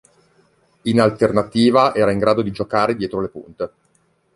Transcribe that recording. In alternativa era in grado di giocare dietro le punte.